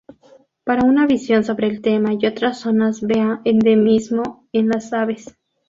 Para una visión sobre el tema y otras zonas vea Endemismo en las aves.